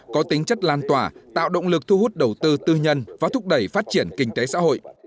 có tính chất lan tỏa tạo động lực thu hút đầu tư tư nhân và thúc đẩy phát triển kinh tế xã hội